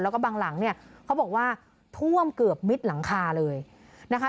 แล้วก็บางหลังเนี่ยเขาบอกว่าท่วมเกือบมิดหลังคาเลยนะคะ